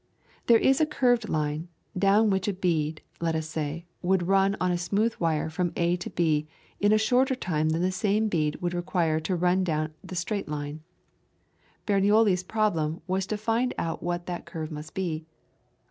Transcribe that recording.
There is a curved line, down which a bead, let us say, would run on a smooth wire from A to B in a shorter time than the same bead would require to run down the straight wire. Bernouilli's problem was to find out what that curve must be.